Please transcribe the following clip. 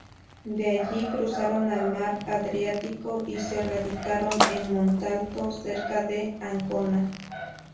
De allí cruzaron el mar Adriático, y se radicaron en Montalto, cerca de Ancona.